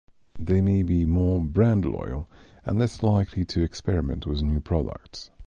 They may be more brand loyal and less likely to experiment with new products.